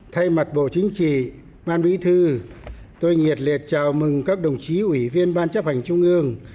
thay mặt bộ chính trị ban bí thư tôi nhiệt liệt chào mừng các đồng chí ủy viên ban chấp hành trung ương